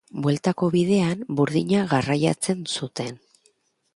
Bueltako bidean, burdina garraiatzen zuten.